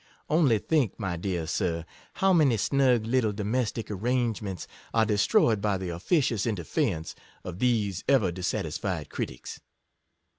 Only think, my dear sir, how many snug little domestic arrangements are destroyed by the officious interference of these ever dissa tisfied critics.